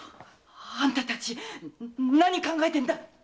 あんたたち何を考えてんだい